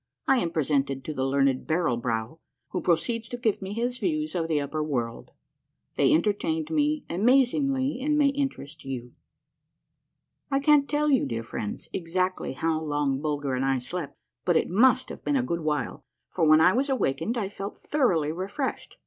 — I AM PRESENTED TO THE LEARNED BARREL BROW, WHO PRO CEEDS TO GIVE ME HIS VIEWS OF THE UPPER WORLD. — THEY ENTERTAINED ME AJVIAZINGLY AND MAY INTEREST YOU. I can't tell you, dear friends, exactly how long Bulger and I slept, but it must have been a good while, for when I was awakened I felt thoroughly refreshed.